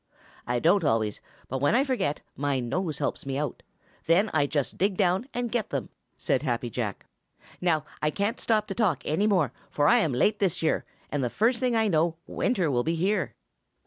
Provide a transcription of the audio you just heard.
"I don't always, but when I forget, my nose helps me out. Then I just dig down and get them," said Happy Jack. "Now I can't stop to talk any more, for I am late this year, and the first thing I know winter will be here."